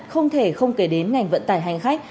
không thể không kể đến ngành vận tải hành khách